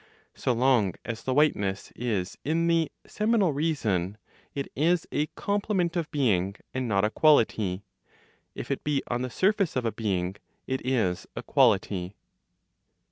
So long as the whiteness is in the ("seminal) reason," it is a complement of being, and not a quality; if it be on the surface of a being, it is a quality.